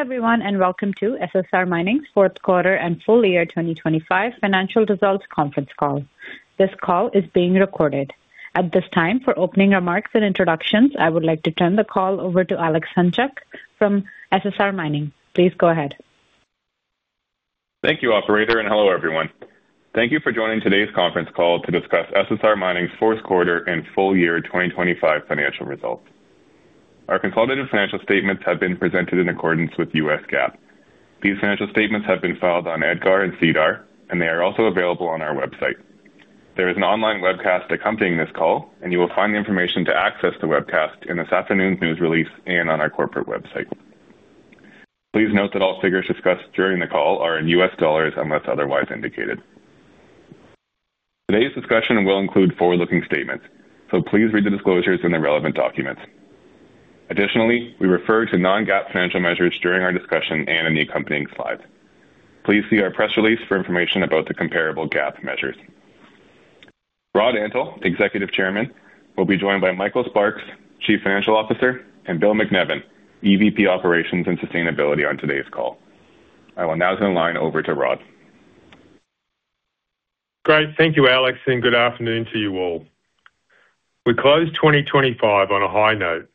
Hello everyone, and welcome to SSR Mining's fourth quarter and full year 2025 financial results conference call. This call is being recorded. At this time, for opening remarks and introductions, I would like to turn the call over to Alex Hunchak from SSR Mining. Please go ahead. Thank you, operator, and hello everyone. Thank you for joining today's conference call to discuss SSR Mining's fourth quarter and full year 2025 financial results. Our consolidated financial statements have been presented in accordance with U.S. GAAP. These financial statements have been filed on EDGAR and SEDAR, and they are also available on our website. There is an online webcast accompanying this call, and you will find the information to access the webcast in this afternoon's news release and on our corporate website. Please note that all figures discussed during the call are in U.S. dollars, unless otherwise indicated. Today's discussion will include forward-looking statements, so please read the disclosures in the relevant documents. Additionally, we refer to non-GAAP financial measures during our discussion and in the accompanying slides. Please see our press release for information about the comparable GAAP measures. Rod Antal, Executive Chairman, will be joined by Michael Sparks, Chief Financial Officer, and Bill MacNevin, EVP, Operations and Sustainability, on today's call. I will now turn the line over to Rod. Great. Thank you, Alex, and good afternoon to you all. We closed 2025 on a high note,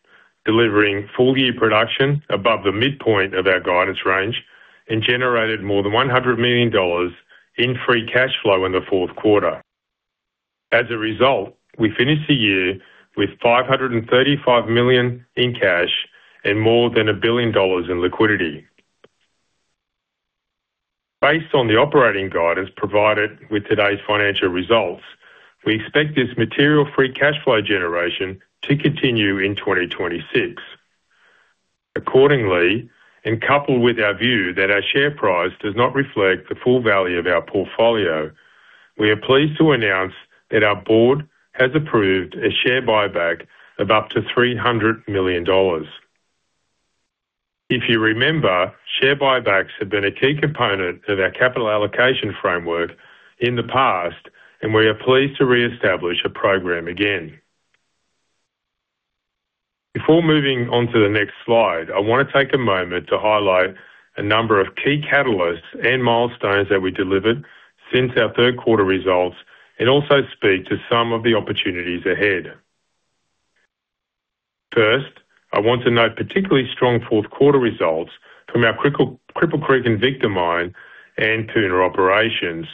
delivering full year production above the midpoint of our guidance range and generated more than $100 million in free cash flow in the fourth quarter. As a result, we finished the year with $535 million in cash and more than $1 billion in liquidity. Based on the operating guidance provided with today's financial results, we expect this material free cash flow generation to continue in 2026. Accordingly, and coupled with our view that our share price does not reflect the full value of our portfolio, we are pleased to announce that our board has approved a share buyback of up to $300 million. If you remember, share buybacks have been a key component of our capital allocation framework in the past, and we are pleased to reestablish a program again. Before moving on to the next slide, I want to take a moment to highlight a number of key catalysts and milestones that we delivered since our third quarter results, and also speak to some of the opportunities ahead. First, I want to note particularly strong fourth quarter results from our Cripple Creek and Victor Mine and Puna operations,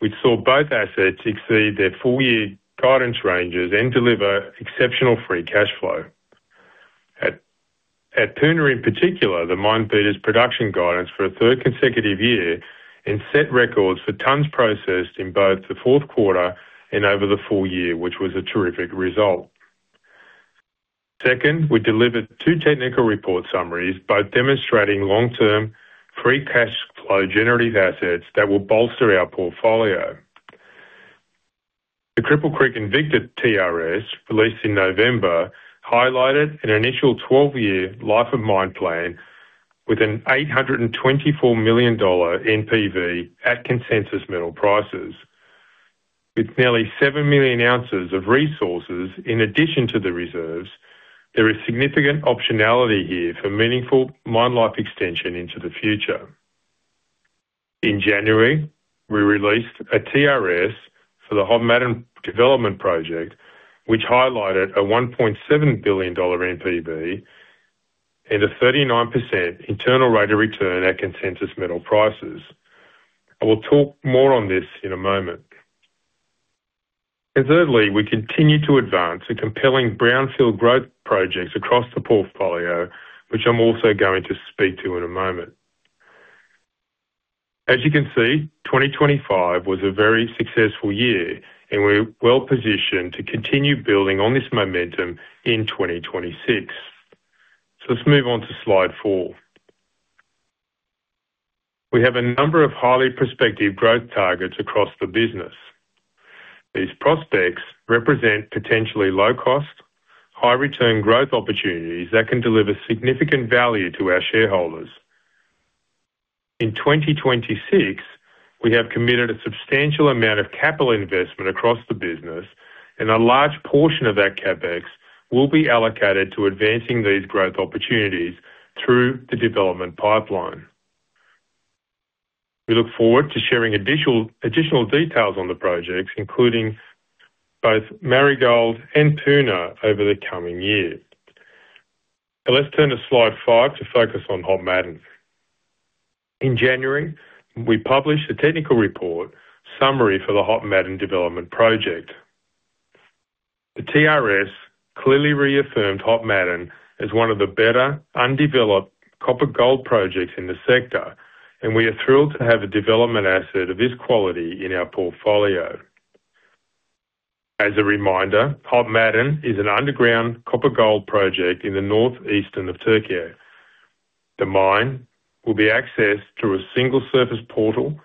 which saw both assets exceed their full year guidance ranges and deliver exceptional free cash flow. At Puna in particular, the mine beat its production guidance for a third consecutive year and set records for tons processed in both the fourth quarter and over the full year, which was a terrific result. Second, we delivered 2 technical report summaries, both demonstrating long-term free cash flow generative assets that will bolster our portfolio. The Cripple Creek & Victor TRS, released in November, highlighted an initial 12-year life of mine plan with an $824 million NPV at consensus metal prices. With nearly 7 million ounces of resources in addition to the reserves, there is significant optionality here for meaningful mine life extension into the future. In January, we released a TRS for the Hod Maden Development Project, which highlighted a $1.7 billion NPV and a 39% internal rate of return at consensus metal prices. I will talk more on this in a moment. Thirdly, we continue to advance a compelling brownfield growth projects across the portfolio, which I'm also going to speak to in a moment. As you can see, 2025 was a very successful year, and we're well positioned to continue building on this momentum in 2026. So let's move on to slide four. We have a number of highly prospective growth targets across the business. These prospects represent potentially low cost, high return growth opportunities that can deliver significant value to our shareholders. In 2026, we have committed a substantial amount of capital investment across the business, and a large portion of that CapEx will be allocated to advancing these growth opportunities through the development pipeline. We look forward to sharing additional details on the projects, including both Marigold and Puna, over the coming year. Now, let's turn to slide five to focus on Hod Maden. In January, we published a technical report summary for the Hod Maden Development Project. The TRS clearly reaffirmed Hod Maden as one of the better undeveloped copper-gold projects in the sector, and we are thrilled to have a development asset of this quality in our portfolio. As a reminder, Hod Maden is an underground copper-gold project in northeastern Turkey. The mine will be accessed through a single surface portal,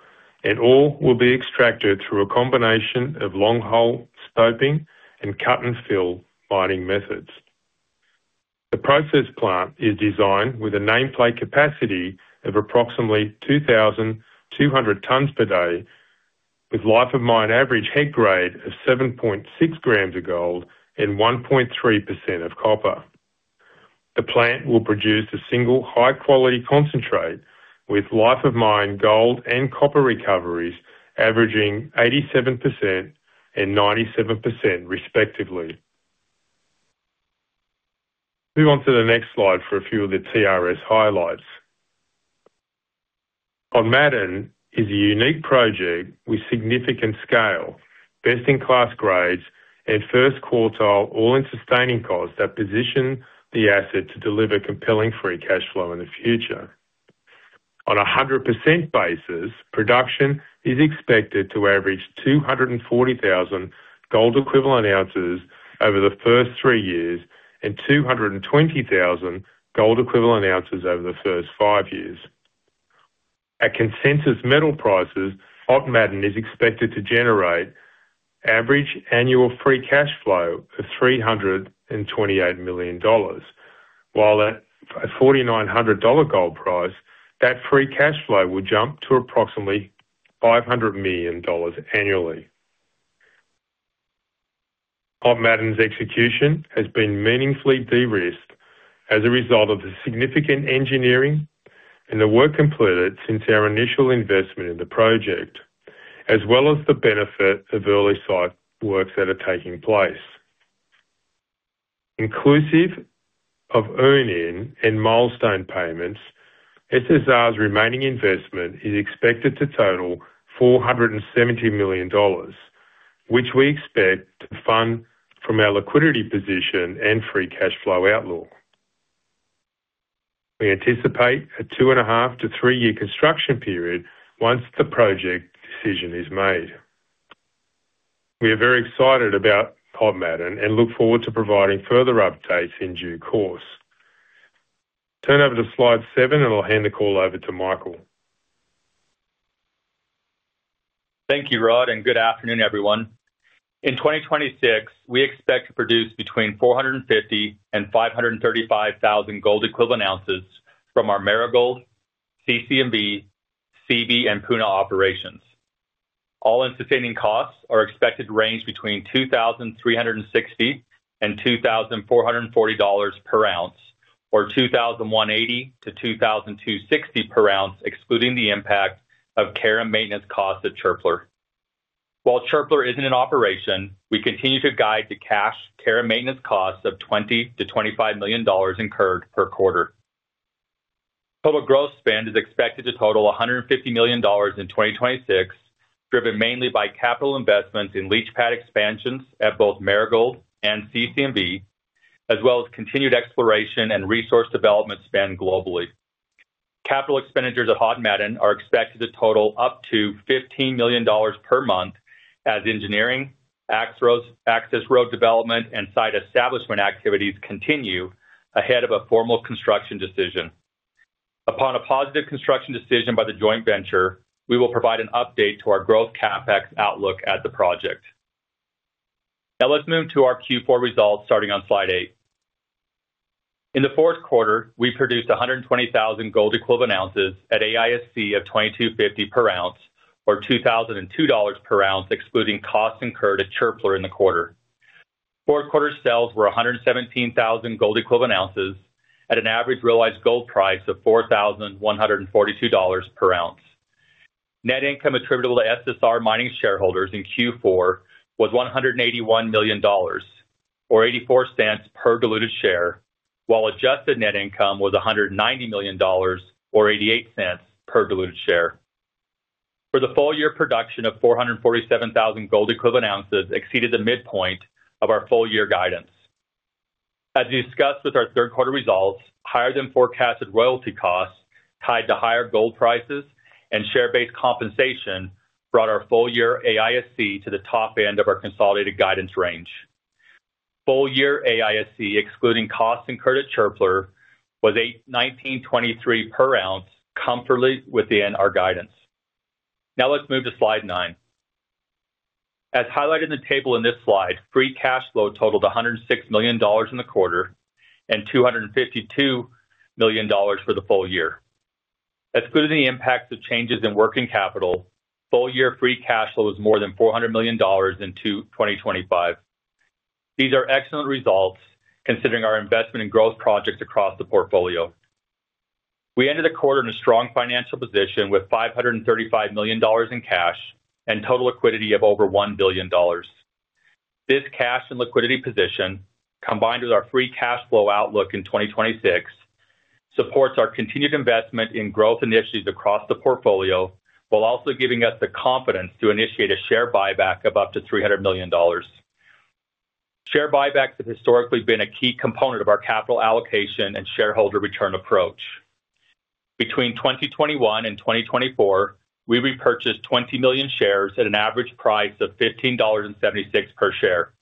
and all will be extracted through a combination of long-hole stoping and cut-and-fill mining methods. The process plant is designed with a nameplate capacity of approximately 2,200 tons per day with life-of-mine average head grade of 7.6 grams of gold and 1.3% of copper. The plant will produce a single high-quality concentrate with life-of-mine gold and copper recoveries averaging 87% and 97% respectively. Move on to the next slide for a few of the TRS highlights. Hod Maden is a unique project with significant scale, best-in-class grades, and first-quartile all-in sustaining costs that position the asset to deliver compelling free cash flow in the future. On a 100% basis, production is expected to average 240,000 gold equivalent ounces over the first three years and 220,000 gold equivalent ounces over the first five years. At consensus metal prices, Hod Maden is expected to generate average annual free cash flow of $328 million, while at a $4,900 gold price, that free cash flow will jump to approximately $500 million annually. Hod Maden's execution has been meaningfully de-risked as a result of the significant engineering and the work completed since our initial investment in the project, as well as the benefit of early site works that are taking place. Inclusive of earn-in and milestone payments, SSR's remaining investment is expected to total $470 million, which we expect to fund from our liquidity position and free cash flow outlook. We anticipate a 2.5 to three year construction period once the project decision is made. We are very excited about Hod Maden and look forward to providing further updates in due course. Turn over to slide seven, and I'll hand the call over to Michael. Thank you, Rod, and good afternoon, everyone. In 2026, we expect to produce between 450,000 and 535,000 gold equivalent ounces from our Marigold, CC&V, Seabee, and Puna operations. All-in sustaining costs are expected to range between $2,360 and $2,440 per ounce, or $2,180-$2,260 per ounce, excluding the impact of care and maintenance costs at Çöpler. While Çöpler isn't in operation, we continue to guide the cash care and maintenance costs of $20-$25 million incurred per quarter. Total growth spend is expected to total $150 million in 2026, driven mainly by capital investments in leach pad expansions at both Marigold and CC&V, as well as continued exploration and resource development spend globally. Capital expenditures at Hod Maden are expected to total up to $15 million per month as engineering, access road development, and site establishment activities continue ahead of a formal construction decision. Upon a positive construction decision by the joint venture, we will provide an update to our growth CapEx outlook at the project. Now, let's move to our Q4 results, starting on slide eight. In the fourth quarter, we produced 120,000 gold equivalent ounces at AISC of $2,250 per ounce, or $2,002 per ounce, excluding costs incurred at Çöpler in the quarter. Fourth quarter sales were 117,000 gold equivalent ounces at an average realized gold price of $4,142 per ounce. Net income attributable to SSR Mining shareholders in Q4 was $181 million, or $0.84 per diluted share, while adjusted net income was $190 million or $0.88 per diluted share. For the full year, production of 447,000 gold equivalent ounces exceeded the midpoint of our full year guidance. As discussed with our third quarter results, higher than forecasted royalty costs tied to higher gold prices and share-based compensation brought our full year AISC to the top end of our consolidated guidance range. Full year AISC, excluding costs incurred at Çöpler, was $1,923 per ounce, comfortably within our guidance. Now, let's move to slide nine. As highlighted in the table in this slide, free cash flow totaled $106 million in the quarter and $252 million for the full year. Excluding the impacts of changes in working capital, full year free cash flow is more than $400 million in 2025. These are excellent results considering our investment in growth projects across the portfolio. We ended the quarter in a strong financial position with $535 million in cash and total liquidity of over $1 billion. This cash and liquidity position, combined with our free cash flow outlook in 2026, supports our continued investment in growth initiatives across the portfolio, while also giving us the confidence to initiate a share buyback of up to $300 million. Share buybacks have historically been a key component of our capital allocation and shareholder return approach. Between 2021 and 2024, we repurchased 20 million shares at an average price of $15.76 per share.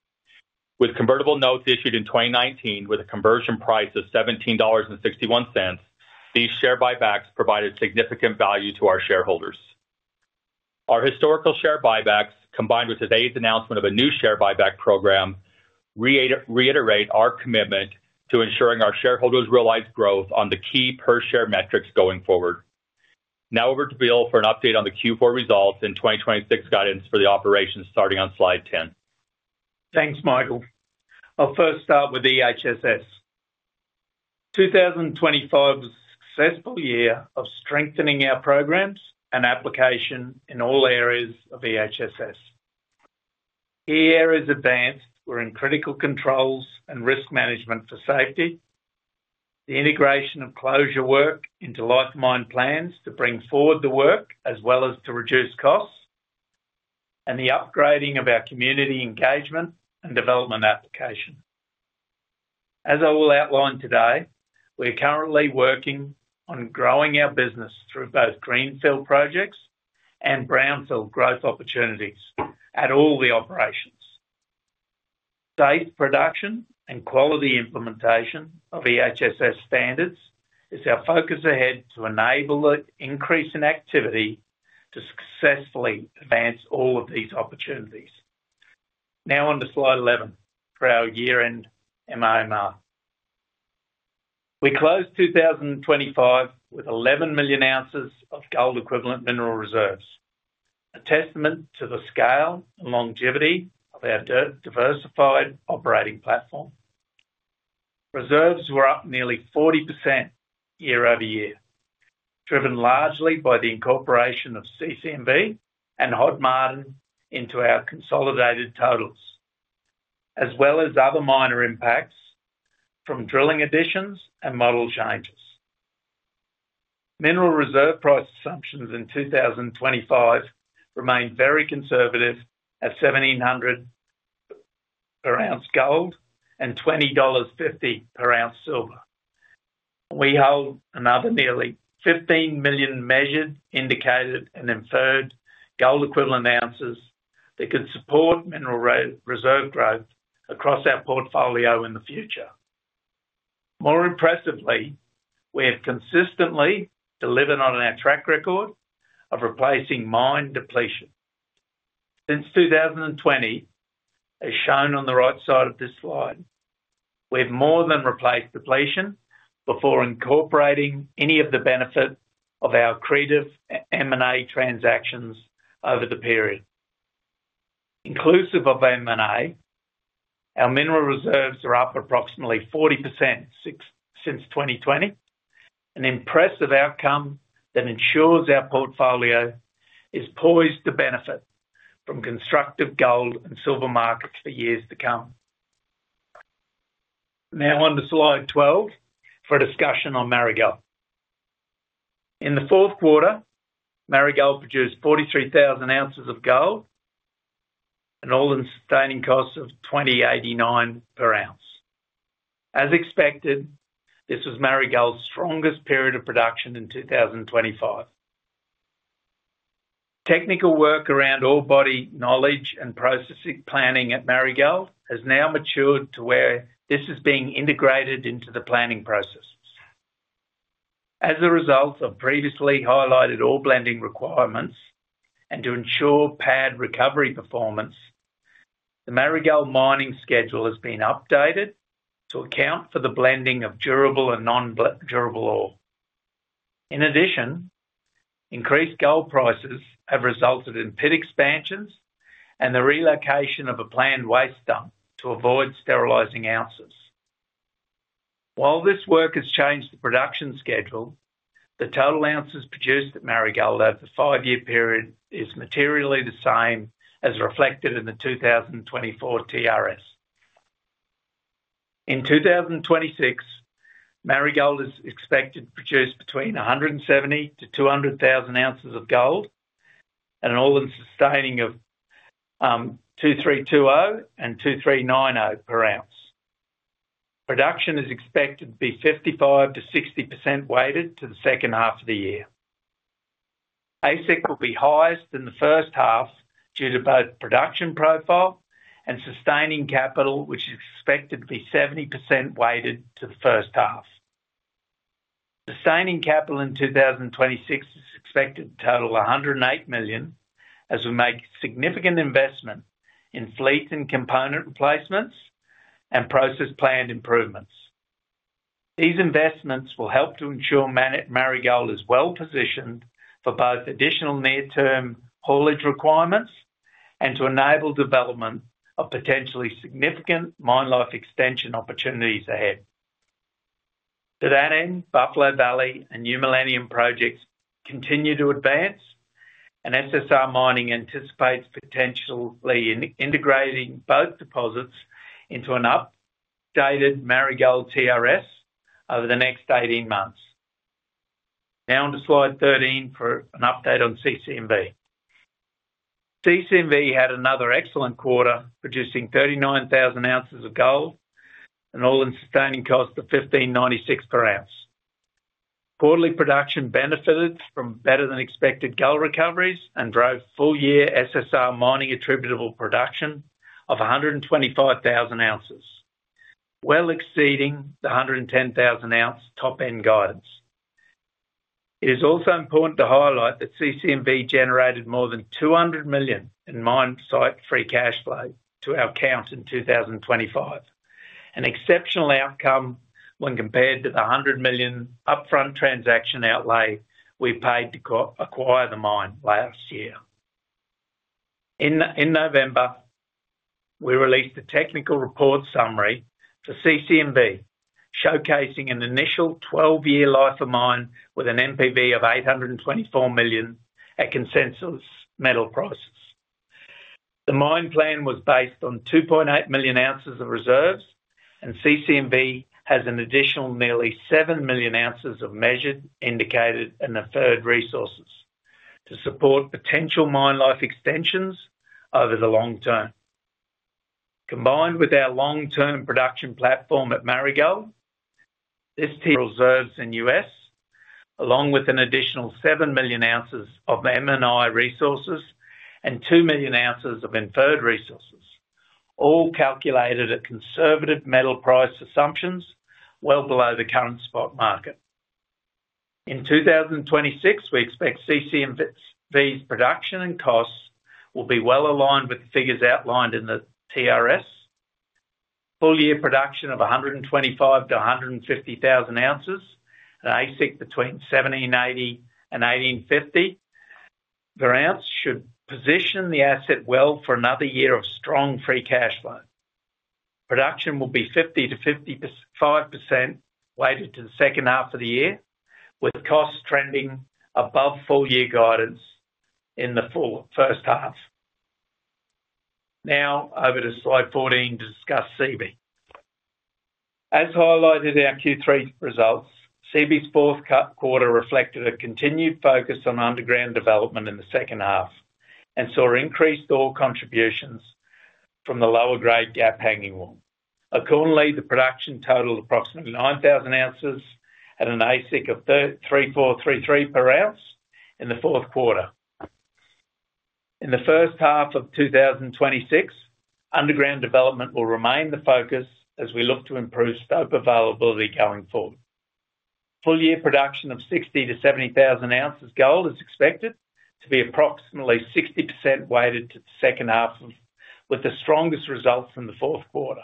With convertible notes issued in 2019, with a conversion price of $17.61, these share buybacks provided significant value to our shareholders. Our historical share buybacks, combined with today's announcement of a new share buyback program, reiterate our commitment to ensuring our shareholders realize growth on the key per share metrics going forward. Now over to Bill for an update on the Q4 results and 2026 guidance for the operations, starting on slide 10. Thanks, Michael. I'll first start with EHSS. 2025 was a successful year of strengthening our programs and application in all areas of EHSS. Key areas advanced were in critical controls and risk management for safety, the integration of closure work into life mine plans to bring forward the work as well as to reduce costs, and the upgrading of our community engagement and development application. As I will outline today, we're currently working on growing our business through both greenfield projects and brownfield growth opportunities at all the operations. Safe production and quality implementation of EHSS standards is our focus ahead to enable the increase in activity to successfully advance all of these opportunities. Now on to slide 11 for our year-end MRMR. We closed 2025 with 11 million ounces of gold equivalent mineral reserves, a testament to the scale and longevity of our diversified operating platform. Reserves were up nearly 40% year-over-year, driven largely by the incorporation of CC&V and Hod Maden into our consolidated totals, as well as other minor impacts from drilling additions and model changes. Mineral reserve price assumptions in 2025 remained very conservative at $1,700 per ounce gold and $20.50 per ounce silver. We hold another nearly 15 million measured, indicated, and inferred gold equivalent ounces that could support mineral reserve growth across our portfolio in the future. More impressively, we have consistently delivered on our track record of replacing mine depletion. Since 2020, as shown on the right side of this slide, we've more than replaced depletion before incorporating any of the benefit of our creative M&A transactions over the period. Inclusive of M&A, our mineral reserves are up approximately 46%, since 2020. An impressive outcome that ensures our portfolio is poised to benefit from constructive gold and silver markets for years to come. Now on to slide 12, for a discussion on Marigold. In the fourth quarter, Marigold produced 43,000 ounces of gold and all-in sustaining costs of $2,089 per ounce. As expected, this was Marigold's strongest period of production in 2025. Technical work around ore body knowledge and processing planning at Marigold has now matured to where this is being integrated into the planning processes. As a result of previously highlighted ore blending requirements and to ensure pad recovery performance, the Marigold mining schedule has been updated to account for the blending of durable and non-durable ore. In addition, increased gold prices have resulted in pit expansions and the relocation of a planned waste dump to avoid sterilizing ounces. While this work has changed the production schedule, the total ounces produced at Marigold over the five-year period is materially the same as reflected in the 2024 TRS. In 2026, Marigold is expected to produce between 170,000-200,000 ounces of gold and an all-in sustaining of $2,320-$2,390 per ounce. Production is expected to be 55%-60% weighted to the second half of the year. AISC will be highest in the first half due to both production profile and sustaining capital, which is expected to be 70% weighted to the first half. Sustaining capital in 2026 is expected to total $108 million, as we make significant investment in fleet and component replacements and process plant improvements. These investments will help to ensure mine at Marigold is well-positioned for both additional near-term haulage requirements and to enable development of potentially significant mine life extension opportunities ahead. To that end, Buffalo Valley and New Millennium projects continue to advance, and SSR Mining anticipates potentially integrating both deposits into an updated Marigold TRS over the next 18 months. Now on to slide 13 for an update on CC&V. CC&V had another excellent quarter, producing 39,000 ounces of gold and all-in sustaining cost of $1,596 per ounce. Quarterly production benefited from better-than-expected gold recoveries and drove full-year SSR Mining attributable production of 125,000 ounces, well exceeding the 110,000-ounce top-end guides. It is also important to highlight that CC&V generated more than $200 million in mine site free cash flow to our account in 2025. An exceptional outcome when compared to the $100 million upfront transaction outlay we paid to co-acquire the mine last year. In November, we released a technical report summary for CC&V, showcasing an initial 12-year life of mine with an NPV of $824 million at consensus metal prices. The mine plan was based on 2.8 million ounces of reserves, and CC&V has an additional nearly 7 million ounces of measured, indicated, and inferred resources to support potential mine life extensions over the long term. Combined with our long-term production platform at Marigold, this team reserves in US, along with an additional 7 million ounces of M&I resources and 2 million ounces of inferred resources, all calculated at conservative metal price assumptions, well below the current spot market. In 2026, we expect CCMV's production and costs will be well aligned with the figures outlined in the TRS. Full year production of 125,000-150,000 ounces, an AISC between $1,780-$1,850 per ounce should position the asset well for another year of strong free cash flow. Production will be 50%-55% weighted to the second half of the year, with costs trending above full year guidance in the full first half. Now over to slide 14 to discuss Seabee. As highlighted in our Q3 results, Seabee's fourth quarter reflected a continued focus on underground development in the second half and saw increased ore contributions from the lower grade gap hanging wall. Accordingly, the production totaled approximately 9,000 ounces at an AISC of $1,433 per ounce in the fourth quarter. In the first half of 2026, underground development will remain the focus as we look to improve stope availability going forward. Full year production of 60,000-70,000 ounces gold is expected to be approximately 60% weighted to the second half, with the strongest results in the fourth quarter.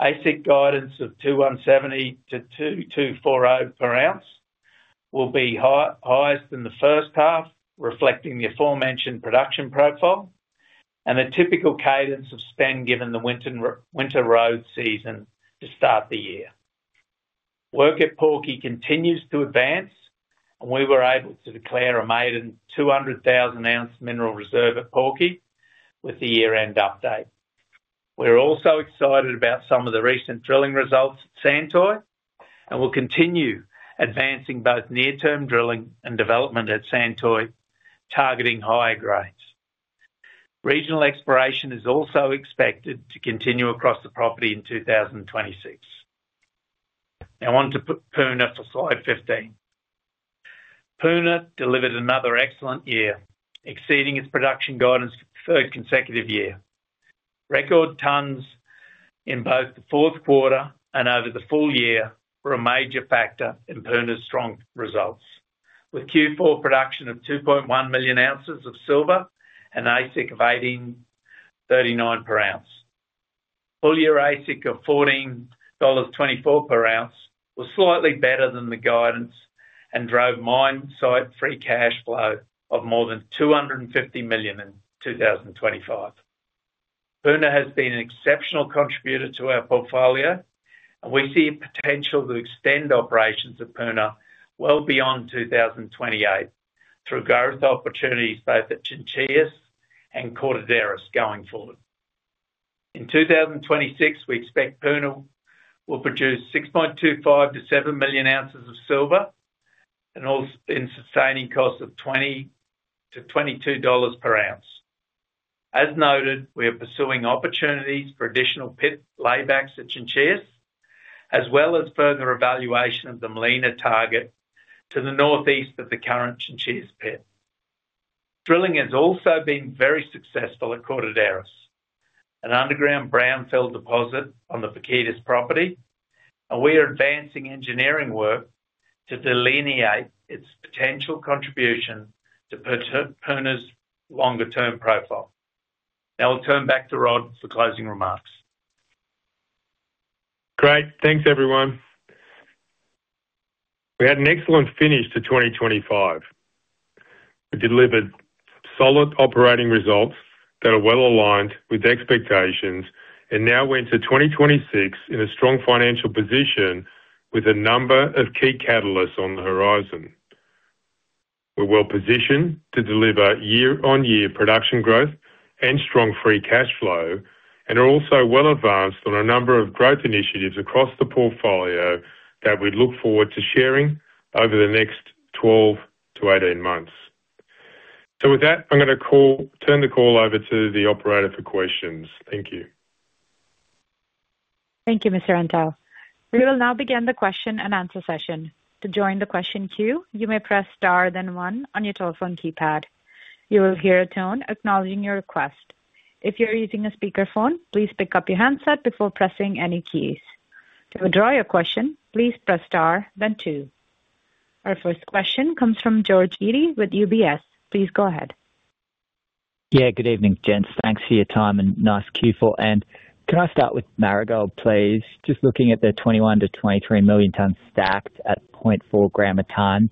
AISC guidance of $2,170-$2,240 per ounce will be highest in the first half, reflecting the aforementioned production profile and the typical cadence of spend given the winter road season to start the year. Work at Porky continues to advance, and we were able to declare a maiden 200,000-ounce mineral reserve at Porky with the year-end update. We're also excited about some of the recent drilling results at Santoy, and we'll continue advancing both near-term drilling and development at Santoy, targeting higher grades. Regional exploration is also expected to continue across the property in 2026. Now on to Puna for slide 15. Puna delivered another excellent year, exceeding its production guidance for the third consecutive year. Record tons in both the fourth quarter and over the full year were a major factor in Puna's strong results, with Q4 production of 2.1 million ounces of silver and AISC of $1,839 per ounce. Full-year AISC of $14.24 per ounce was slightly better than the guidance and drove mine-site free cash flow of more than $250 million in 2025. Puna has been an exceptional contributor to our portfolio, and we see potential to extend operations at Puna well beyond 2028 through growth opportunities both at Chinchillas and Cordilleras going forward. In 2026, we expect Puna will produce 6.25-7 million ounces of silver and all-in sustaining costs of $20-$22 per ounce. As noted, we are pursuing opportunities for additional pit laybacks at Chinchillas, as well as further evaluation of the Molina target to the northeast of the current Chinchillas pit. Drilling has also been very successful at Cordilleras, an underground brownfield deposit on the Vaquitas property, and we are advancing engineering work to delineate its potential contribution to Puna's longer term profile. Now I'll turn back to Rod for closing remarks. Great. Thanks, everyone. We had an excellent finish to 2025. We delivered solid operating results that are well aligned with expectations and now went to 2026 in a strong financial position with a number of key catalysts on the horizon. We're well positioned to deliver year-on-year production growth and strong free cash flow, and are also well advanced on a number of growth initiatives across the portfolio that we look forward to sharing over the next 12-18 months. So with that, I'm gonna turn the call over to the operator for questions. Thank you. Thank you, Mr. Antal. We will now begin the question-and-answer session. To join the question queue, you may press star, then one on your telephone keypad... You will hear a tone acknowledging your request. If you're using a speakerphone, please pick up your handset before pressing any keys. To withdraw your question, please press star then two. Our first question comes from George Eadie with UBS. Please go ahead. Yeah, good evening, gents. Thanks for your time and nice Q4. And can I start with Marigold, please? Just looking at the 21-23 million tons stacked at 0.4 gram a ton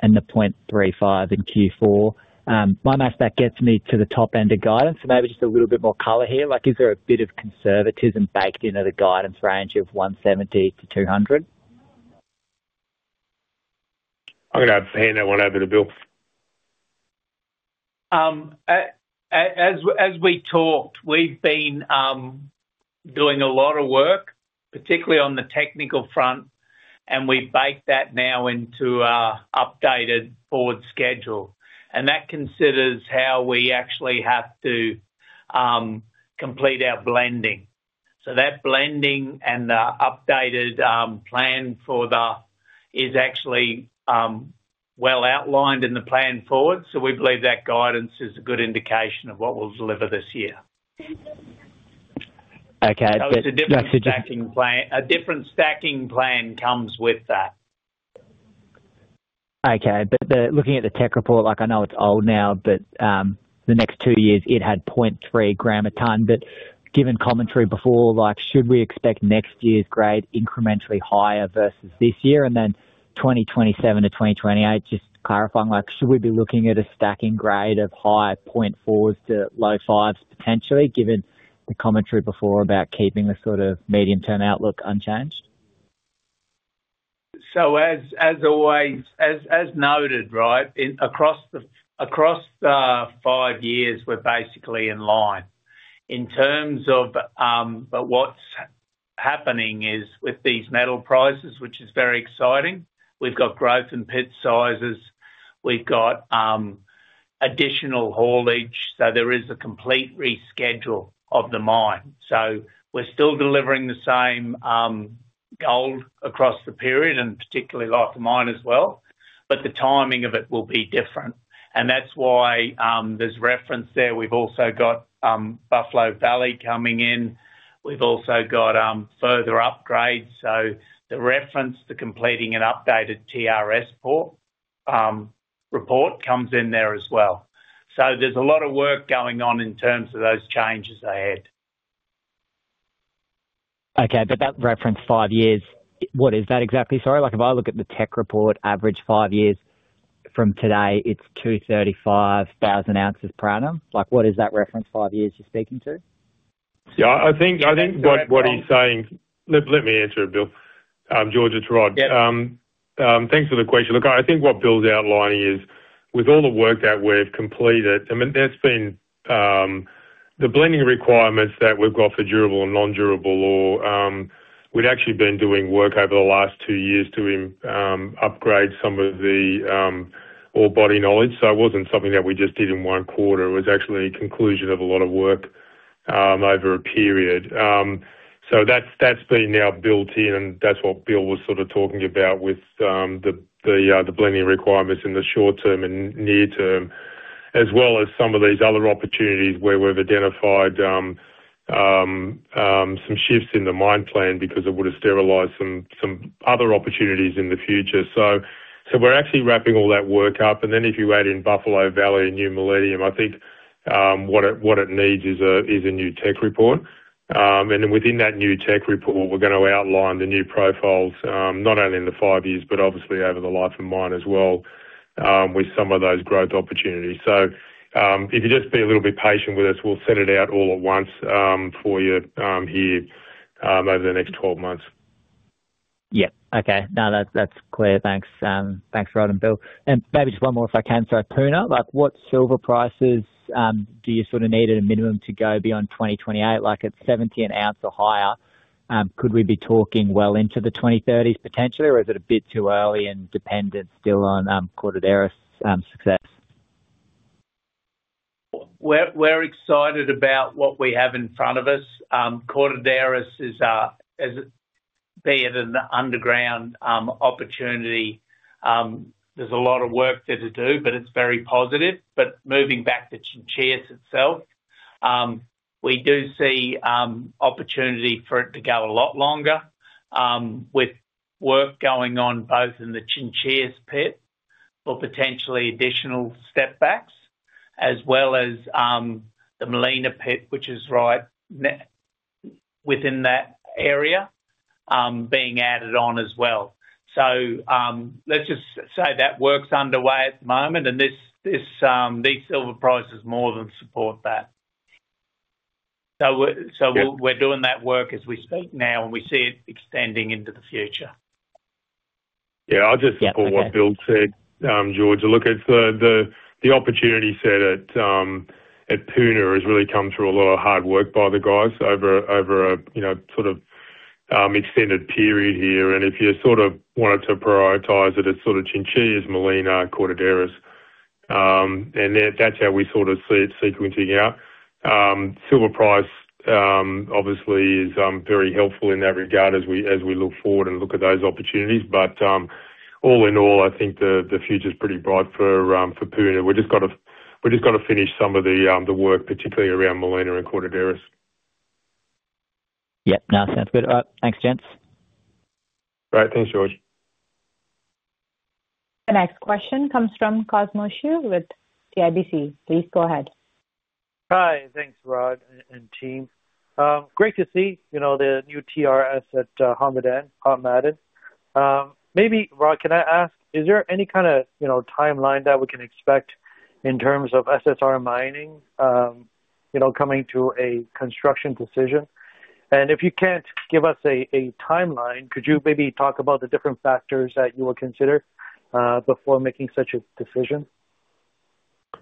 and the 0.35 in Q4. My math, that gets me to the top end of guidance. So maybe just a little bit more color here. Like, is there a bit of conservatism baked into the guidance range of 170-200? I'm going to hand that one over to Bill. As we talked, we've been doing a lot of work, particularly on the technical front, and we baked that now into our updated forward schedule. That considers how we actually have to complete our blending. That blending and the updated plan for the is actually well outlined in the plan forward. We believe that guidance is a good indication of what we'll deliver this year. Okay. A different stacking plan comes with that. Okay. But, looking at the tech report, like, I know it's old now, but the next two years it had 0.3 gram a ton. But given commentary before, like, should we expect next year's grade incrementally higher versus this year and then 2027 to 2028? Just to clarify, like, should we be looking at a stacking grade of high 0.4s to low 0.5s potentially, given the commentary before about keeping the sort of medium-term outlook unchanged? So, as always, as noted, right, across the five years, we're basically in line. In terms of, but what's happening is with these metal prices, which is very exciting, we've got growth in pit sizes, we've got additional haulage, so there is a complete reschedule of the mine. So we're still delivering the same gold across the period, and particularly life of mine as well, but the timing of it will be different. And that's why there's reference there. We've also got Buffalo Valley coming in. We've also got further upgrades. So the reference to completing an updated TRS report comes in there as well. So there's a lot of work going on in terms of those changes ahead. Okay, but that reference five years, what is that exactly? Sorry, like, if I look at the tech report, average five years from today, it's 235,000 ounces per annum. Like, what is that reference five years you're speaking to? Yeah, I think what he's saying... Let me answer it, Bill. George, it's Rod. Yeah. Thanks for the question. Look, I think what Bill's outlining is, with all the work that we've completed, I mean, that's been the blending requirements that we've got for Durable and Non-Durable Ore. We'd actually been doing work over the last two years to upgrade some of the ore body knowledge, so it wasn't something that we just did in one quarter. It was actually a conclusion of a lot of work over a period. So that's been now built in, and that's what Bill was sort of talking about with the blending requirements in the short term and near term, as well as some of these other opportunities where we've identified some shifts in the mine plan because it would have sterilized some other opportunities in the future. So we're actually wrapping all that work up, and then if you add in Buffalo Valley and New Millennium, I think what it needs is a new tech report. And then within that new tech report, we're going to outline the new profiles, not only in the five years, but obviously over the life of mine as well, with some of those growth opportunities. So if you just be a little bit patient with us, we'll send it out all at once for you here over the next 12 months. Yeah. Okay. No, that's, that's clear. Thanks. Thanks, Rod and Bill. And maybe just one more, if I can. So Puna, like, what silver prices do you sort of need at a minimum to go beyond 2028, like at $70 an ounce or higher? Could we be talking well into the 2030s potentially, or is it a bit too early and dependent still on Cordilleras success? We're excited about what we have in front of us. Cordilleras is as being an underground opportunity, there's a lot of work there to do, but it's very positive. But moving back to Chinchillas itself, we do see opportunity for it to go a lot longer, with work going on both in the Chinchillas pit for potentially additional step backs, as well as the Molina pit, which is right within that area, being added on as well. So, let's just say that work's underway at the moment, and this these silver prices more than support that. So we're- Yep. We're doing that work as we speak now, and we see it extending into the future. Yeah, I'll just support what Bill said, George. Look, it's the opportunity set at Puna has really come through a lot of hard work by the guys over a you know sort of extended period here. And if you sort of wanted to prioritize it, it's sort of Chinchillas, Molina, Cordilleras. And then that's how we sort of see it sequencing out. Silver price obviously is very helpful in that regard as we look forward and look at those opportunities. But all in all, I think the future is pretty bright for Puna. We've just got to finish some of the work, particularly around Molina and Cordilleras. Yep. No, sounds good. Thanks, gents. All right. Thanks, George. The next question comes from Cosmos Chiu with CIBC. Please go ahead. Hi. Thanks, Rod and team. Great to see, you know, the new TRS at Hod Maden. Maybe Rod, can I ask, is there any kind of, you know, timeline that we can expect in terms of SSR Mining, you know, coming to a construction decision? And if you can't give us a timeline, could you maybe talk about the different factors that you will consider before making such a decision?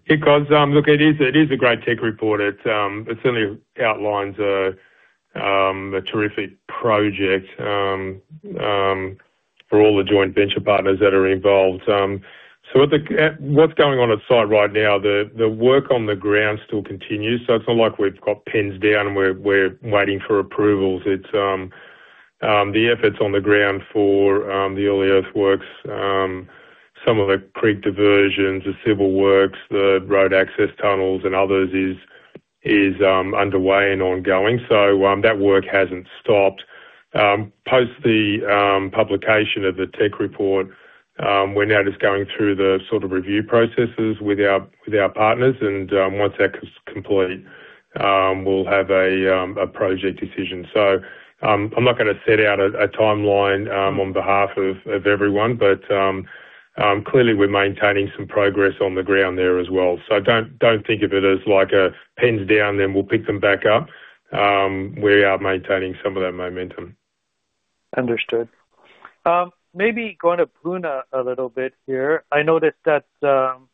Hey, Cosmos, look, it is a great tech report. It certainly outlines a terrific project for all the joint venture partners that are involved. So, what's going on at site right now, the work on the ground still continues, so it's not like we've got pens down and we're waiting for approvals. It's the efforts on the ground for the early earthworks, some of the creek diversions, the civil works, the road access tunnels and others is underway and ongoing. So, that work hasn't stopped. Post the publication of the tech report, we're now just going through the sort of review processes with our partners, and once that is complete, we'll have a project decision. So, I'm not gonna set out a timeline on behalf of everyone, but clearly we're maintaining some progress on the ground there as well. So don't think of it as like a pens down, then we'll pick them back up. We are maintaining some of that momentum. Understood. Maybe going to Puna a little bit here. I noticed that,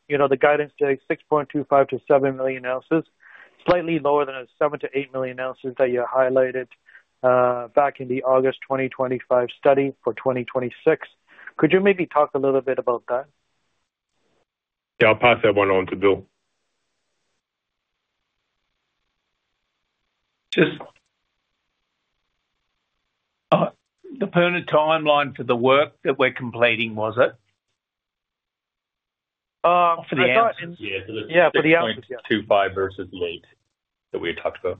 you know, the guidance today, 6.25-7 million ounces, slightly lower than the 7-8 million ounces that you highlighted back in the August 2025 study for 2026. Could you maybe talk a little bit about that? Yeah, I'll pass that one on to Bill. Just the Puna timeline for the work that we're completing, was it? For the ounces. Yeah, for the- Yeah, for the ounces. 6.25 versus eight that we had talked about.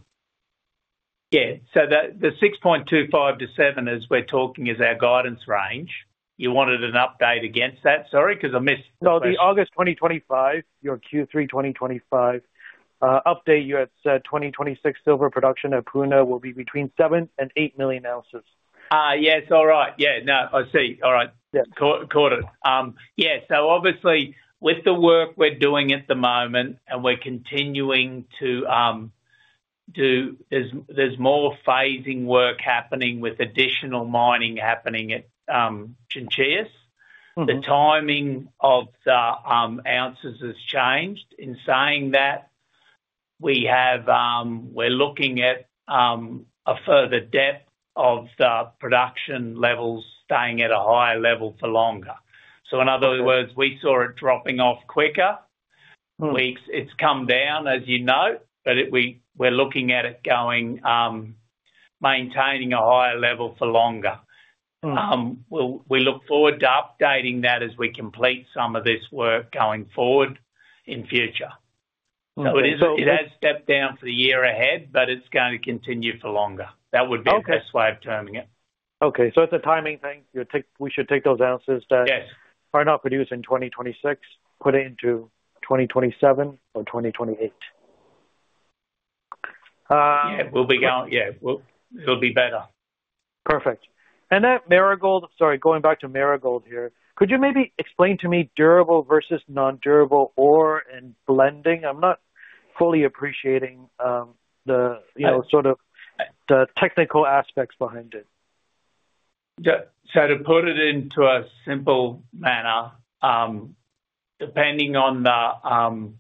Yeah. So the 6.25 to seven., as we're talking, is our guidance range. You wanted an update against that? Sorry, because I missed the first- No, the August 2025, your Q3 2025 update, your 2026 silver production at Puna will be between 7 and 8 million ounces. Ah, yes, all right. Yeah. No, I see. All right. Yeah. Got it. Yeah, so obviously with the work we're doing at the moment, and we're continuing to do. There's more phasing work happening with additional mining happening at Chinchillas. Mm-hmm. The timing of the ounces has changed. In saying that, we have, we're looking at a further depth of the production levels staying at a higher level for longer. So in other words, we saw it dropping off quicker. Mm. It's come down, as you know, but it, we, we're looking at it going, maintaining a higher level for longer. Mm. We look forward to updating that as we complete some of this work going forward in future. Mm. So- It has stepped down for the year ahead, but it's going to continue for longer. Okay. That would be the best way of terming it. Okay, so it's a timing thing. We should take those ounces that- Yes... are not produced in 2026, put it into 2027 or 2028. Yeah, it'll be better. Perfect. And at Marigold, sorry, going back to Marigold here, could you maybe explain to me durable versus non-durable ore and blending? I'm not fully appreciating the, Yeah You know, sort of the technical aspects behind it. Yeah. So to put it into a simple manner, depending on the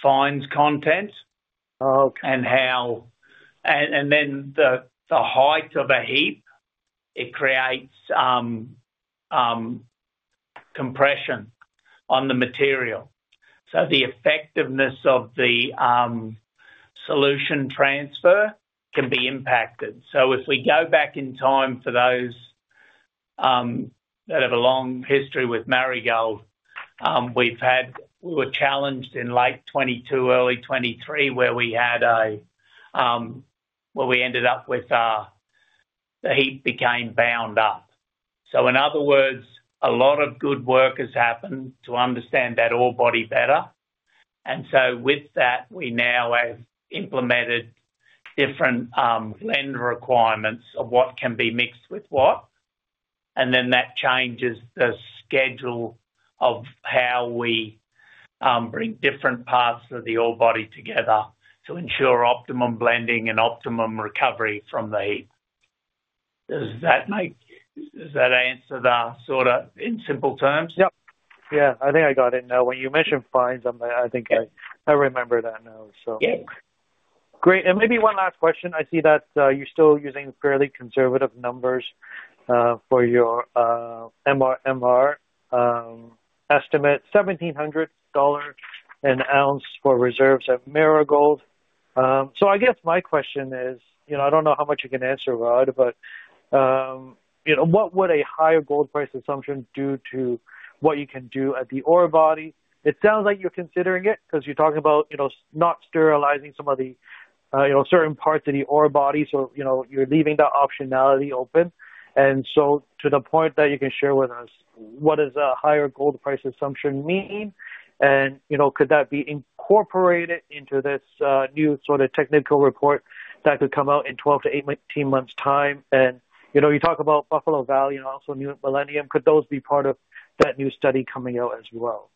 fines content- Oh, okay... and then the height of a heap, it creates compression on the material. So the effectiveness of the solution transfer can be impacted. So if we go back in time for those that have a long history with Marigold, we were challenged in late 2022, early 2023, where we had a well, we ended up with the heap became bound up. So in other words, a lot of good work has happened to understand that ore body better, and so with that, we now have implemented different blend requirements of what can be mixed with what, and then that changes the schedule of how we bring different parts of the ore body together to ensure optimum blending and optimum recovery from the heap. Does that answer the sort of, in simple terms? Yep. Yeah, I think I got it now. When you mentioned fines, I think I- Yeah... I remember that now, so. Yeah. Great. And maybe one last question. I see that you're still using fairly conservative numbers for your MRMR estimate, $1,700 an ounce for reserves at Marigold. So I guess my question is, you know, I don't know how much you can answer, Rod, but, you know, what would a higher gold price assumption do to what you can do at the ore body? It sounds like you're considering it, 'cause you're talking about, you know, not sterilizing some of the, you know, certain parts of the ore body. So, you know, you're leaving that optionality open. And so to the point that you can share with us, what does a higher gold price assumption mean? And, you know, could that be incorporated into this new sort of technical report that could come out in 12-18 months' time? You know, you talk about Buffalo Valley and also New Millennium, could those be part of that new study coming out as well?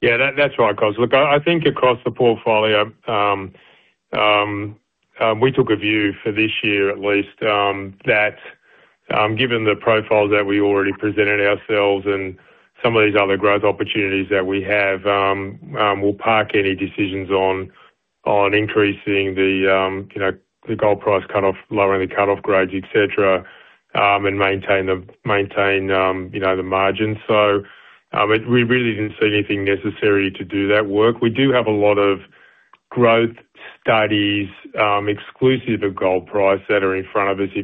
Yeah, that's right, Cosmos. Look, I think across the portfolio, we took a view for this year at least, that, given the profile that we already presented ourselves and some of these other growth opportunities that we have, we'll park any decisions on increasing the, you know, the gold price cutoff, lowering the cutoff grades, et cetera, and maintain the, maintain, you know, the margins. So, we really didn't see anything necessary to do that work. We do have a lot of growth studies, exclusive of gold price that are in front of us,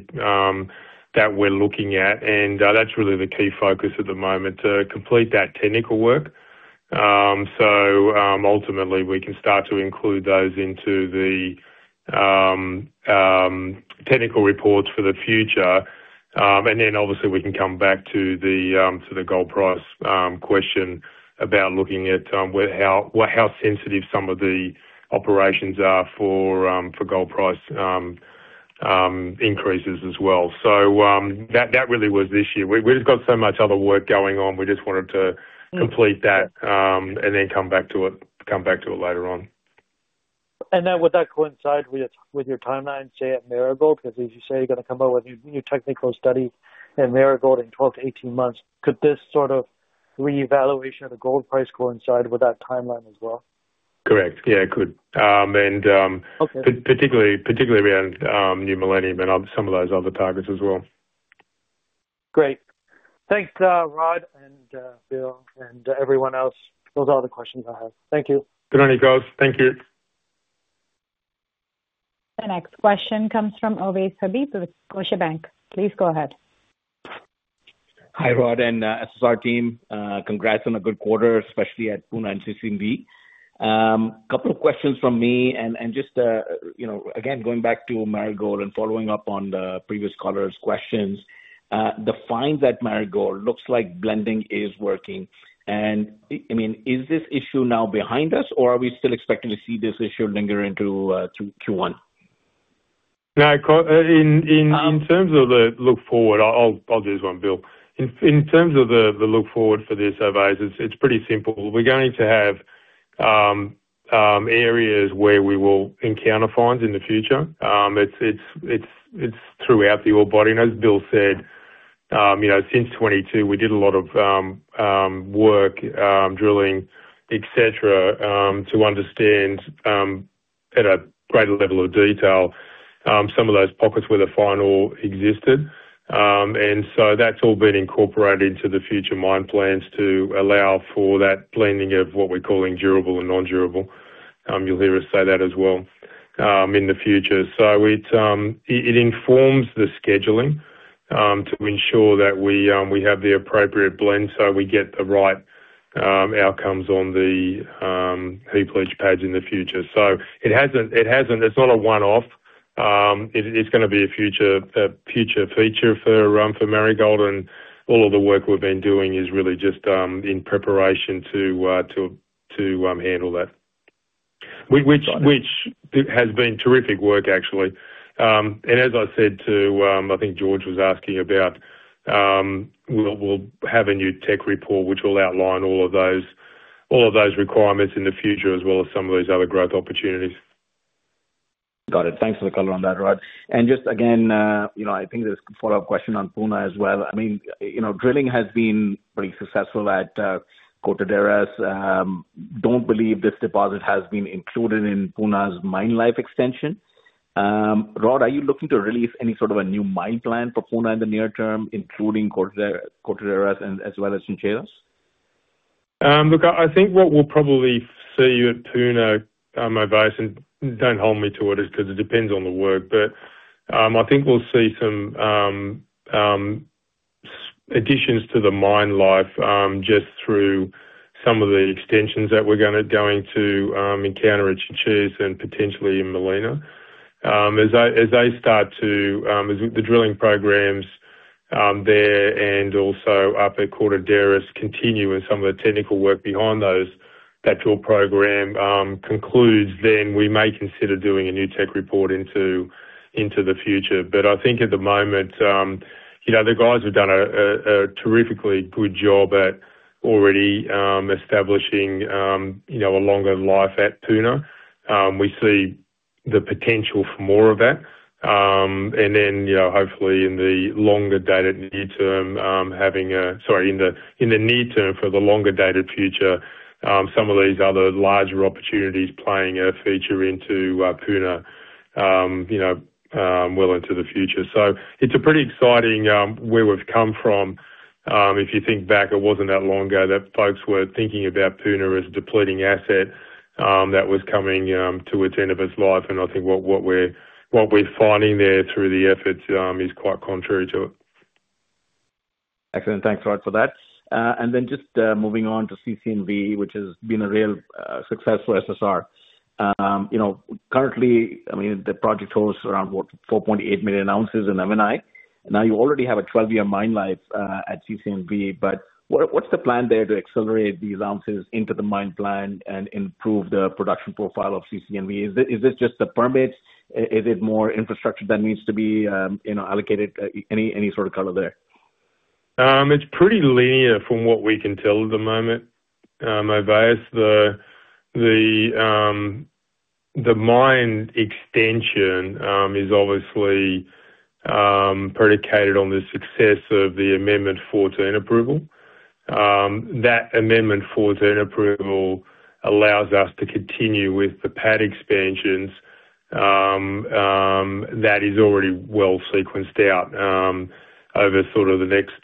that we're looking at, and that's really the key focus at the moment, to complete that technical work. So, ultimately, we can start to include those into the technical reports for the future. And then obviously we can come back to the gold price question about looking at where and how sensitive some of the operations are for gold price increases as well. So, that really was this year. We've just got so much other work going on. We just wanted to- Mm. Complete that, and then come back to it, come back to it later on. And then would that coincide with your timeline, say, at Marigold? 'Cause as you say, you're gonna come up with a new technical study, and Marigold in 12-18 months, could this sort of reevaluation of the gold price coincide with that timeline as well? Correct. Yeah, it could. Okay. Particularly around New Millennium and on some of those other targets as well. Great. Thanks, Rod and, Bill, and everyone else. Those are all the questions I have. Thank you. Good morning, Cosmos. Thank you. The next question comes from Ovais Habib with Scotiabank. Please go ahead. Hi, Rod and, SSR team. Congrats on a good quarter, especially at Puna and Seabee. Couple of questions from me, and, and just, you know, again, going back to Marigold and following up on the previous caller's questions. The finds at Marigold looks like blending is working, and, I mean, is this issue now behind us, or are we still expecting to see this issue linger into, through Q1? No, in, in- Um. In terms of the look forward, I'll do this one, Bill. In terms of the look forward for this, Ovais, it's pretty simple. We're going to have areas where we will encounter fines in the future. It's throughout the ore body. And as Bill said, you know, since 2022, we did a lot of work, drilling, et cetera, to understand at a greater level of detail some of those pockets where the fines all existed. And so that's all been incorporated into the future mine plans to allow for that blending of what we're calling durable and non-durable. You'll hear us say that as well in the future. So it informs the scheduling to ensure that we have the appropriate blend, so we get the right outcomes on the heap leach pads in the future. So it hasn't... It's not a one-off. It's gonna be a future feature for Marigold, and all of the work we've been doing is really just in preparation to handle that. W-which- Got it. Which, it has been terrific work, actually. And as I said to, I think George was asking about, we'll have a new tech report, which will outline all of those, all of those requirements in the future, as well as some of those other growth opportunities. Got it. Thanks for the color on that, Rod. And just again, you know, I think this follow-up question on Puna as well. I mean, you know, drilling has been pretty successful at Cordilleras. Don't believe this deposit has been included in Puna's mine life extension. Rod, are you looking to release any sort of a new mine plan for Puna in the near term, including Cordilleras and, as well as Chinchillas? Look, I think what we'll probably see at Puna, Ovais, and don't hold me to it, is 'cause it depends on the work, but I think we'll see some additions to the mine life, just through some of the extensions that we're gonna go into encounter at Chinchillas and potentially in Molina. As they start to as the drilling programs there and also up at Cordilleras continue and some of the technical work behind those, that drill program concludes, then we may consider doing a new tech report into the future. But I think at the moment, you know, the guys have done a terrifically good job at already establishing, you know, a longer life at Puna. We see the potential for more of that. And then, you know, hopefully in the longer dated near term, having a... Sorry, in the, in the near term for the longer dated future, some of these other larger opportunities playing a feature into Puna, you know, well into the future. So it's a pretty exciting where we've come from. If you think back, it wasn't that long ago that folks were thinking about Puna as a depleting asset that was coming to its end of its life. And I think what we're finding there through the efforts is quite contrary to it. Excellent. Thanks, Rod, for that. And then just moving on to CC&V, which has been a real success for SSR. You know, currently, I mean, the project holds around, what? 4.8 million ounces in M&I. Now, you already have a 12-year mine life at CC&V, but what's the plan there to accelerate these ounces into the mine plan and improve the production profile of CC&V? Is this just the permits? Is it more infrastructure that needs to be, you know, allocated? Any sort of color there? It's pretty linear from what we can tell at the moment, Ovais. The mine extension is obviously predicated on the success of the Amendment Fourteen approval. That Amendment Fourteen approval allows us to continue with the pad expansions that is already well sequenced out over sort of the next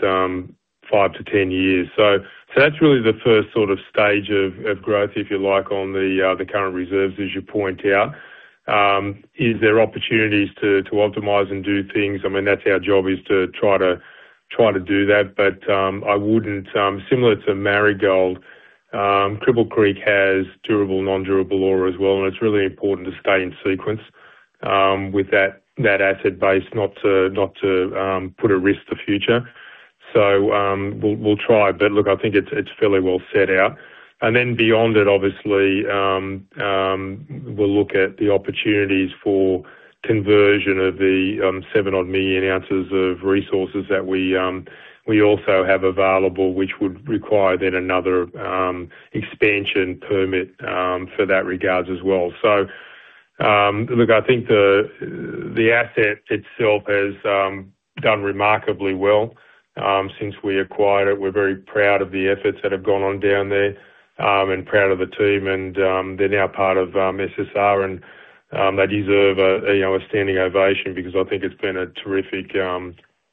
5-10 years. So that's really the first sort of stage of growth, if you like, on the current reserves, as you point out. Is there opportunities to optimize and do things? I mean, that's our job, is to try to do that, but I wouldn't... Similar to Marigold, Cripple Creek has durable, non-durable ore as well, and it's really important to stay in sequence with that asset base, not to put at risk the future. So, we'll try. But look, I think it's fairly well set out. And then beyond it, obviously, we'll look at the opportunities for conversion of the 7+ million ounces of resources that we also have available, which would require then another expansion permit for that regards as well. So, look, I think the asset itself has done remarkably well since we acquired it. We're very proud of the efforts that have gone on down there, and proud of the team, and they're now part of SSR, and they deserve a, you know, a standing ovation because I think it's been a terrific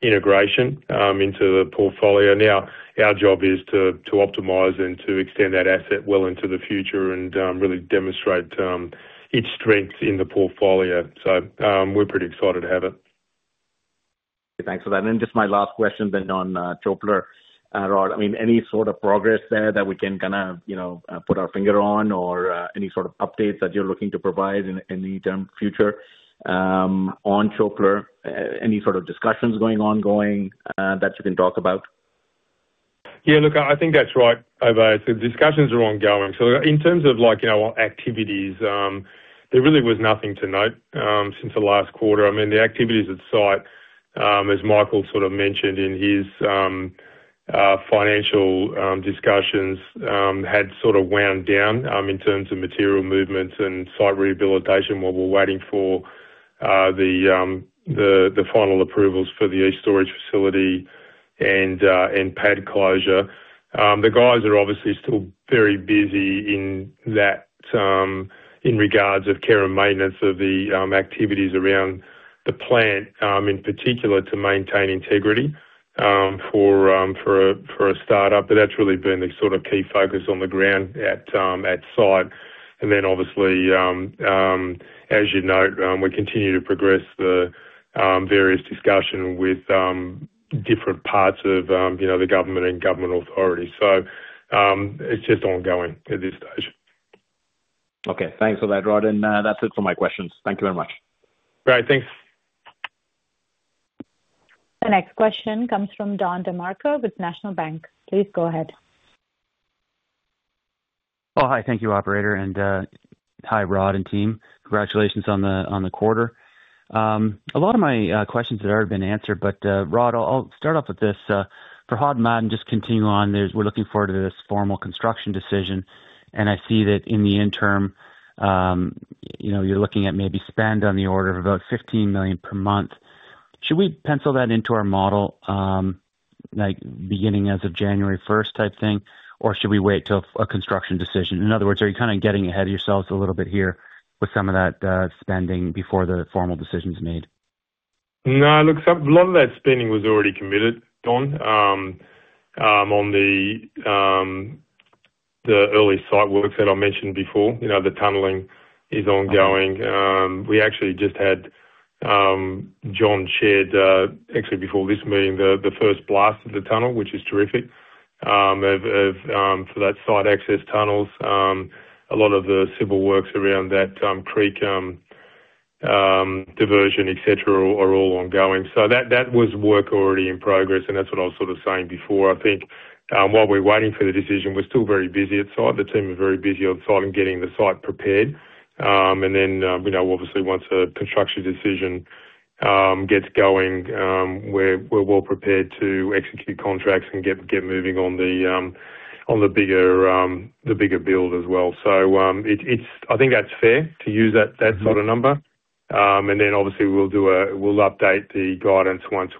integration into the portfolio. Now, our job is to optimize and to extend that asset well into the future and really demonstrate its strengths in the portfolio. So, we're pretty excited to have it. Thanks for that. And then just my last question then on Çöpler, Rod. I mean, any sort of progress there that we can kind of, you know, put our finger on, or any sort of updates that you're looking to provide in any term future on Çöpler? Any sort of discussions going ongoing that you can talk about? Yeah, look, I think that's right, Ovais. The discussions are ongoing. So in terms of like, you know, activities, there really was nothing to note, since the last quarter. I mean, the activities at site, as Michael sort of mentioned in his financial discussions, had sort of wound down, in terms of material movements and site rehabilitation, while we're waiting for the final approvals for the east storage facility and pad closure. The guys are obviously still very busy in that, in regards of care and maintenance of the activities around the plant, in particular, to maintain integrity, for a startup. But that's really been the sort of key focus on the ground at site. Then obviously, as you note, we continue to progress the various discussion with different parts of, you know, the government and government authorities. It's just ongoing at this stage. Okay. Thanks for that, Rod. That's it for my questions. Thank you very much. Great. Thanks. The next question comes from Don DeMarco with National Bank. Please go ahead. Oh, hi. Thank you, operator. And, hi, Rod and team. Congratulations on the, on the quarter. A lot of my questions have already been answered, but, Rod, I'll, I'll start off with this, for Hod Maden and just continue on. There, we're looking forward to this formal construction decision, and I see that in the interim, you know, you're looking at maybe spend on the order of about $15 million per month. Should we pencil that into our model, like, beginning as of January first type thing, or should we wait till a construction decision? In other words, are you kind of getting ahead of yourselves a little bit here with some of that, spending before the formal decision is made? No, look, a lot of that spending was already committed, Don, on the early site works that I mentioned before, you know, the tunneling is ongoing. We actually just had John shared actually before this meeting, the first blast of the tunnel, which is terrific, so that site access tunnels, a lot of the civil works around that creek diversion, et cetera, are all ongoing. So that was work already in progress, and that's what I was sort of saying before. I think, while we're waiting for the decision, we're still very busy on site. The team are very busy on site and getting the site prepared. And then, you know, obviously, once a construction decision gets going, we're well prepared to execute contracts and get moving on the bigger build as well. So, it's fair to use that sort of number. I think that's fair to use that sort of number. And then obviously we'll update the guidance once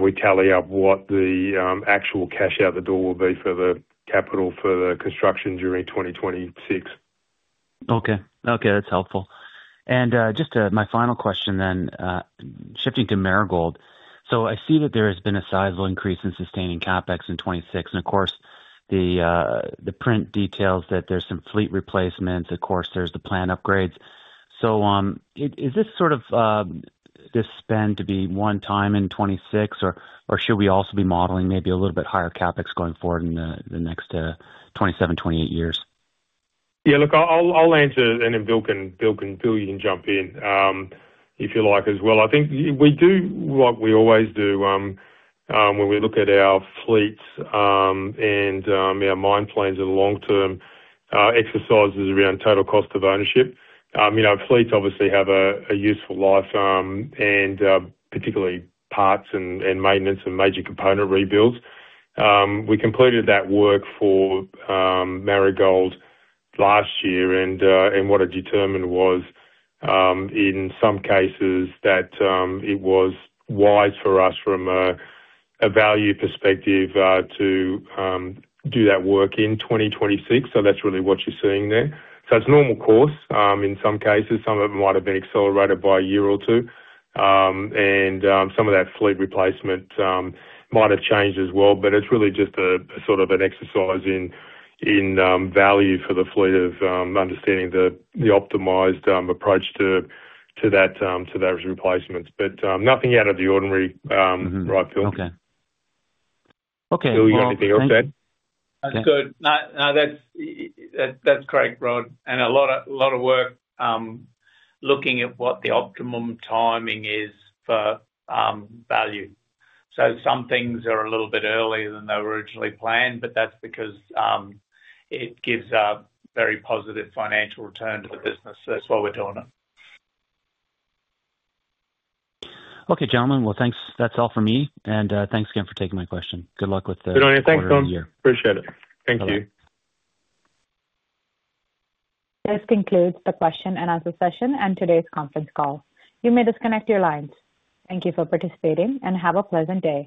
we tally up what the actual cash out the door will be for the capital for the construction during 2026. Okay. Okay, that's helpful. And just my final question then, shifting to Marigold. So I see that there has been a sizable increase in sustaining CapEx in 2026, and of course, the print details that there's some fleet replacements, of course, there's the plant upgrades. So, is this sort of this spend to be one time in 2026, or should we also be modeling maybe a little bit higher CapEx going forward in the next 2027, 2028 years? Yeah, look, I'll answer and then Bill can, you can jump in, if you like as well. I think we do what we always do, when we look at our fleets, and our mine plans and long-term exercises around total cost of ownership. You know, our fleets obviously have a useful life, and particularly parts and maintenance and major component rebuilds. We completed that work for Marigold last year, and what it determined was, in some cases that it was wise for us from a value perspective, to do that work in 2026. So that's really what you're seeing there. So it's normal course, in some cases, some of it might have been accelerated by a year or two. Some of that fleet replacement might have changed as well, but it's really just a sort of an exercise in value for the fleet of understanding the optimized approach to that, to those replacements. But nothing out of the ordinary, right, Bill? Okay. Okay- Bill, you have anything to add? That's good. No, no, that's, that's correct, Rod, and a lot of, lot of work looking at what the optimum timing is for value. So some things are a little bit earlier than they were originally planned, but that's because it gives a very positive financial return to the business. So that's why we're doing it. Okay, gentlemen. Well, thanks. That's all for me. And, thanks again for taking my question. Good luck with the- Good on you. Thanks, Rod. -year. Appreciate it. Thank you. This concludes the question and answer session and today's conference call. You may disconnect your lines. Thank you for participating, and have a pleasant day.